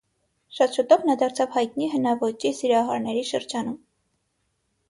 Շատ շուտով նա դարձավ հայտնի հնաոճի սիրահարների շրջանում։